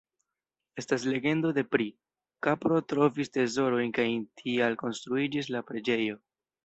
Estas legendo de pri: kapro trovis trezorojn kaj tial konstruiĝis la preĝejo.